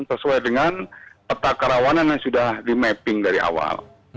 sesuai dengan peta kerawanan yang sudah di mapping dari awal